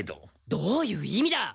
どういう意味だ？